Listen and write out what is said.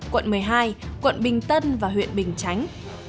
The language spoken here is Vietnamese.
quận một mươi hai quận bình tân và huyện bình chánh